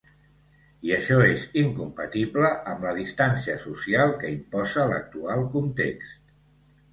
I això és incompatible amb la distància social que imposa l’actual context.